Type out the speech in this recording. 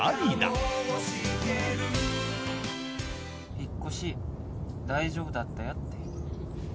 「引っ越し大丈夫だったよって」